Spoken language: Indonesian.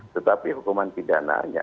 tetapi hukuman pidana nya